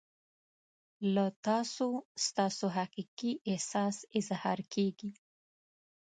له تاسو ستاسو حقیقي احساس اظهار کیږي.